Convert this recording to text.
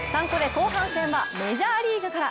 後半戦はメジャーリーグから。